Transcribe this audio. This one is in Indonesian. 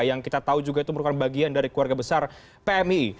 yang kita tahu juga itu merupakan bagian dari keluarga besar pmii